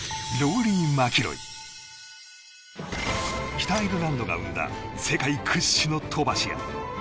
北アイルランドが生んだ世界屈指の飛ばし屋。